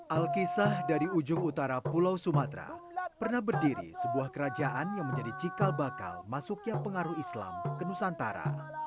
alkisah dari ujung utara pulau sumatera pernah berdiri sebuah kerajaan yang menjadi cikal bakal masuknya pengaruh islam ke nusantara